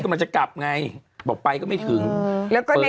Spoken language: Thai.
ปัดอยู่อย่างเนี้ยโอ้เห็นแจ๊กมากเลย